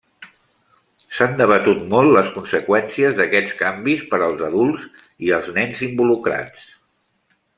S'han debatut molt les conseqüències d'aquests canvis per als adults i els nens involucrats.